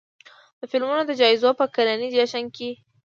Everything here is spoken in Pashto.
د فلمونو د جایزو په کلني جشن کې